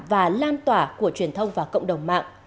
và lan tỏa của truyền thông và cộng đồng mạng